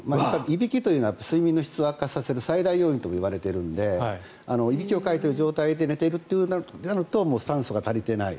いびきというのは睡眠の質を悪化させる最大要因といわれているのでいびきをかいてる状態で寝ているとなると酸素が足りていない。